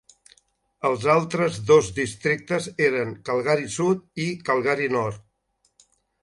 Els altres dos districtes eren Calgary Sud i Calgary Nord.